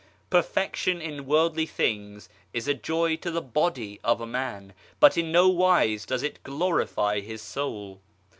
'Per fection in worldly things is a joy to the body of a man, but in no wise does it glorify his soul.